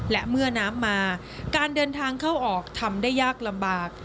และเมื่อน้ำมาการเดินทางเข้าออกทำได้ยากลำบาก